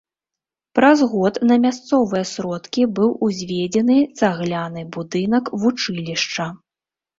Праз год на мясцовыя сродкі быў узведзены цагляны будынак вучылішча.